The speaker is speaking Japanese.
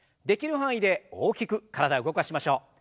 できる範囲で大きく体を動かしましょう。